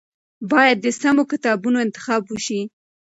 باید د سمو کتابونو انتخاب وشي.